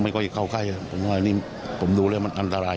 ค่อยเข้าใกล้ผมว่าอันนี้ผมดูแล้วมันอันตราย